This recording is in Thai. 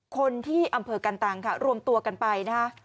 คนที่อำเภอกันตังค่ะรวมตัวกันไปนะฮะ